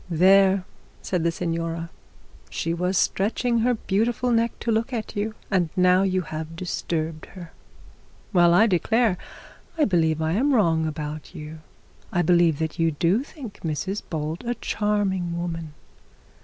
'There,' said the signora. 'She was stretching her beautiful neck to look at you, and now you have disturbed her. Well I declare, I believe I am wrong about you; I believe that you do think Mrs Bold a charming woman.